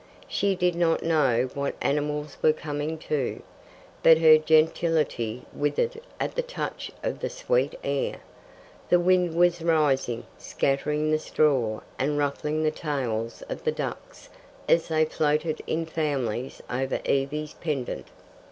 She did not know what animals were coming to. But her gentility withered at the touch of the sweet air. The wind was rising, scattering the straw and ruffling the tails of the ducks as they floated in families over Evie's pendant.